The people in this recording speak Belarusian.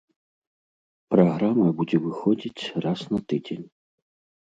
Праграма будзе выходзіць раз на тыдзень.